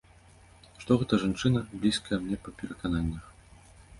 Што гэта жанчына, блізкая мне па перакананнях.